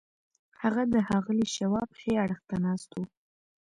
هغه د ښاغلي شواب ښي اړخ ته ناست و.